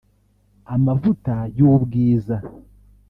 amavuta y’ ubwiza